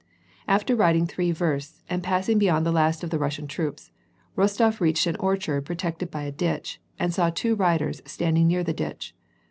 After riding three versts and passing beyond the last of the Russian troops, Rostof reached an orchard protected by a ditch, and saw two riders standing near the ditch.